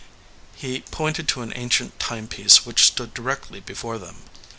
He pointed to an ancient timepiece which stood directly before them.